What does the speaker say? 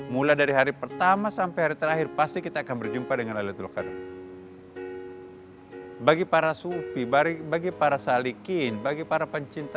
mulai dari hari pertama sampai hari terakhir pasti kita akan berjumpa dengan laylatul qadar